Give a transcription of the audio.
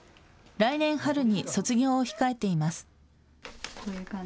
来年春に卒業を控えています。